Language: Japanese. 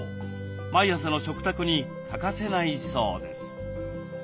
毎朝の食卓に欠かせないそうです。